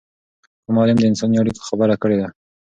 کوم عالم د انساني اړیکو خبره کړې ده؟